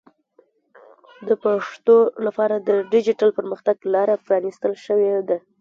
د پښتو لپاره د ډیجیټل پرمختګ لاره پرانیستل شوې ده.